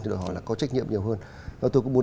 đòi hỏi là có trách nhiệm nhiều hơn và tôi cũng muốn